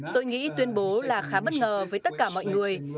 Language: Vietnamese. tôi nghĩ tuyên bố là khá bất ngờ với tất cả mọi người